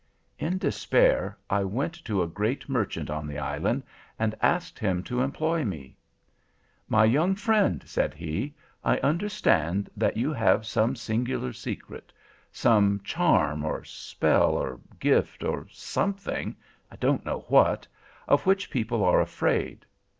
"In despair I went to a great merchant on the island, and asked him to employ me. "'My young friend,' said he, 'I understand that you have some singular secret, some charm, or spell, or gift, or something, I don't know what, of which people are afraid.